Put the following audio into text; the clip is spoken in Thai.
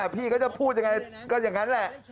พี่ก็จะพูดอย่างนั้นแหละ